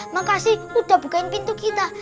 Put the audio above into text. makasih udah bukan pintu kita